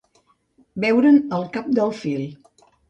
Veure'n el cap del fil.